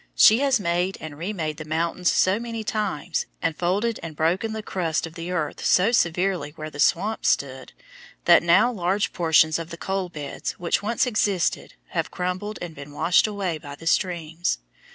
She has made and remade the mountains so many times, and folded and broken the crust of the earth so severely where the swamps stood, that now large portions of the coal beds which once existed have crumbled and been washed away by the streams.